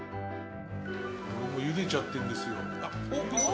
俺もゆでちゃってるんですよ。